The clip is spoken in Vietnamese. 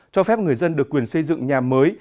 cho phép người dân được quyền xây dựng nhà mới